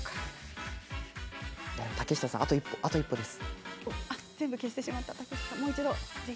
竹下さん、あと一歩です。